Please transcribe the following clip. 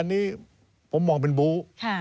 อันนี้ผมมองเป็นบู๊